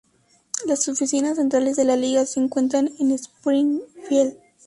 Las oficinas centrales de la liga se encuentran en Springfield.